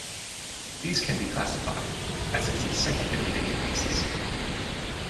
These can be classified as its secondary databases.